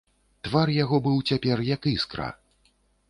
Твар яго быў цяпер як іскра.